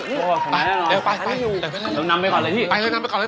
รีบเลย